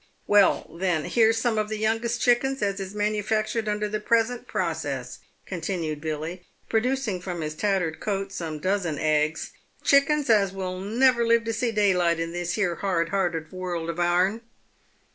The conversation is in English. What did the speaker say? " Well, then, here's some of the youngest chickens as is manufac tured under the present process," continued Billy, producing from his tattered coat some dozen eggs —" chickens as will never live to see daylight in this here hard hearted world of ourn."